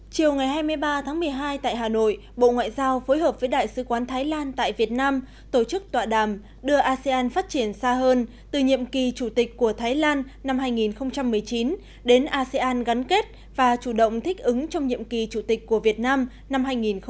chiều ngày hai mươi ba tháng một mươi hai tại hà nội bộ ngoại giao phối hợp với đại sứ quán thái lan tại việt nam tổ chức tọa đàm đưa asean phát triển xa hơn từ nhiệm kỳ chủ tịch của thái lan năm hai nghìn một mươi chín đến asean gắn kết và chủ động thích ứng trong nhiệm kỳ chủ tịch của việt nam năm hai nghìn hai mươi